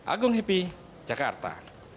agung happy jakarta